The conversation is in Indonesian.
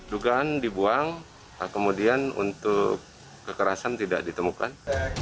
dugaan dibuang kemudian untuk kekerasan tidak ditemukan